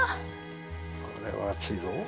これは熱いぞ！